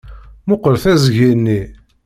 Mmuqqel tiẓgi-nni!